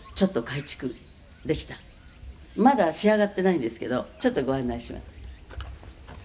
「まだ仕上がっていないんですけどちょっとご案内します」